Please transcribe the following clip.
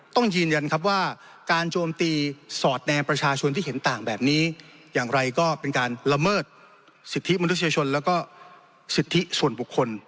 ต้องยืนยันครับว่าการโจมตีสอดแนมประชาชนที่เห็นต่างแบบนี้อย่างไรก็เป็นการละเมิดสิทธิมนุษยชนแล้วก็สิทธิส่วนบุคคล